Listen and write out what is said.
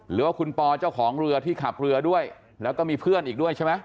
หรือว่าคุณปอเจ้าของเรือที่ขับเรือด้วยแล้วก็มีเพื่อนอีกด้วยใช่ไหม